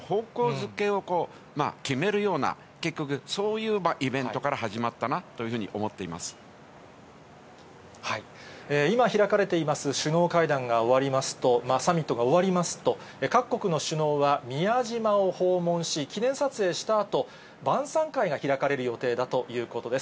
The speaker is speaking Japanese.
づけを決めるような、結局、そういうイベントから始ま今開かれています首脳会談が終わりますと、サミットが終わりますと、各国の首脳は宮島を訪問し、記念撮影したあと、晩さん会が開かれる予定だということです。